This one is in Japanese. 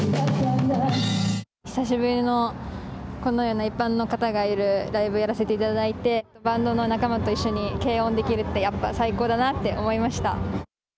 久しぶりのこのような一般の方がいるライブをやらせていただいてバンドの仲間と一緒に軽音ができるってやっぱり最高だなって思いました。